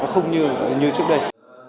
nó không như trước đây